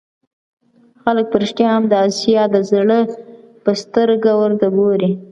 خلک په رښتیا هم د آسیا د زړه په سترګه ورته وګوري.